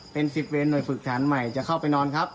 เป็น๑๐เวนหน่วยฝึกฐานใหม่จะเข้าไปนอนครับ